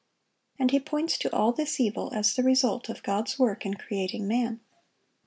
And he points to all this evil as the result of God's work in creating man.